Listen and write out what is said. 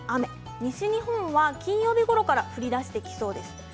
西日本は金曜日ごろから降り出してきそうです。